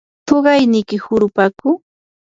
¿tuqayniki hurupaku?